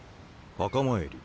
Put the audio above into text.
墓参り。